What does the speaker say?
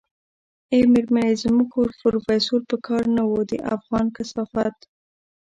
ای مېرمنې زموږ خو پروفيسر په کار و نه دا افغان کثافت.